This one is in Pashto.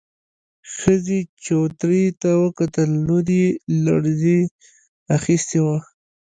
ښځې چوترې ته وکتل، لور يې لړزې اخيستې وه.